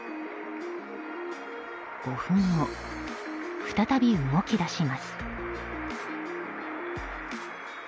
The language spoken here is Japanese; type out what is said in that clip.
５分後、再び動き出します。